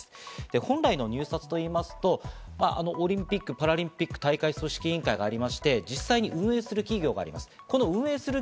本来の入札と言いますと、オリンピック・パラリンピック大会組織委員会がありまして、実際に運営する企業があります。